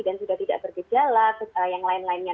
dan sudah tidak bergejala yang lain lainnya